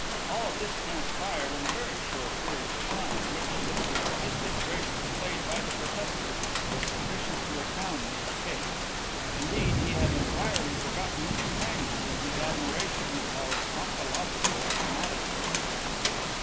All of this transpired in a very short period of time, which, with the artistic grace displayed by the professor, was sufficient to astound Mr. Cake. Indeed, he had entirely forgotten his companions in his admiration of conchological anatomy.